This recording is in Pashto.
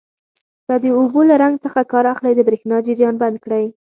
که د اوبو له رنګ څخه کار اخلئ د بریښنا جریان بند کړئ.